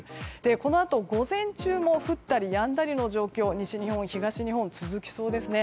このあと午前中も降ったりやんだりの状況が西日本、東日本続きそうですね。